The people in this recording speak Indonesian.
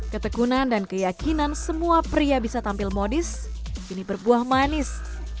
ketekunan dan keyakinan semua pria bisa tampil modis kini berbuah manis